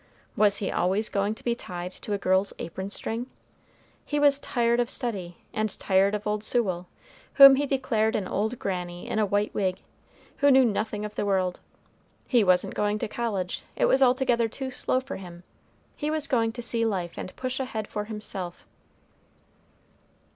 Was he always going to be tied to a girl's apron string? He was tired of study, and tired of old Sewell, whom he declared an old granny in a white wig, who knew nothing of the world. He wasn't going to college it was altogether too slow for him he was going to see life and push ahead for himself.